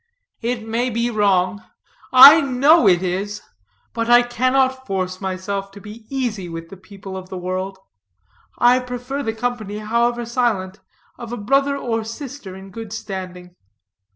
It may be wrong I know it is but I cannot force myself to be easy with the people of the world. I prefer the company, however silent, of a brother or sister in good standing.